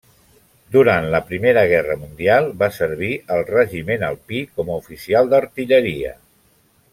Durant la Primera Guerra Mundial va servir al regiment alpí com a oficial d'artilleria.